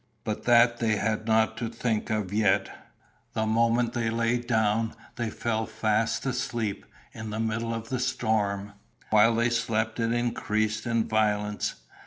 But that they had not to think of yet. The moment they lay down they fell fast asleep in the middle of the storm. While they slept it increased in violence.